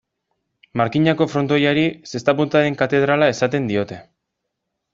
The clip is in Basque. Markinako frontoiari, zesta-puntaren katedrala esaten diote.